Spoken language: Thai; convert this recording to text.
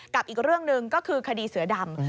อีกเรื่องหนึ่งก็คือคดีเสือดำ